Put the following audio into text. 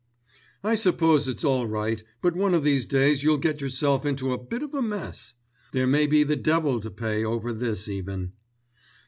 "I suppose it's all right; but one of these days you'll get yourself into a bit of a mess. There may be the devil to pay over this even."